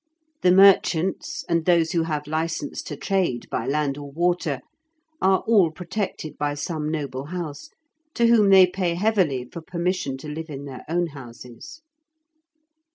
The merchants, and those who have license to trade by land or water, are all protected by some noble house, to whom they pay heavily for permission to live in their own houses.